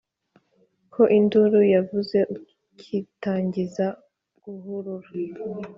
Ko induru yavuze ukitangiza guhurura,